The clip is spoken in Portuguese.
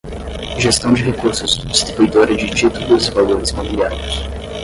Gestão de Recursos Distribuidora de Títulos e Valores Mobiliários